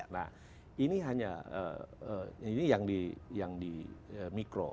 nah ini hanya ini yang di mikro